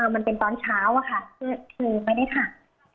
มันเป็นตอนเช้าอะค่ะคือไม่ได้ถาม